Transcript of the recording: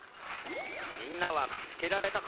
みんなはみつけられたかな？